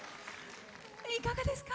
いかがですか？